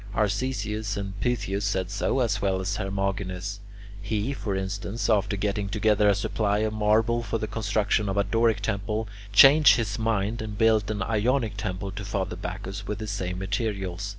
Arcesius and Pytheos said so, as well as Hermogenes. He, for instance, after getting together a supply of marble for the construction of a Doric temple, changed his mind and built an Ionic temple to Father Bacchus with the same materials.